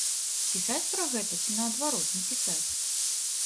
Пісаць пра гэта ці, наадварот, не пісаць?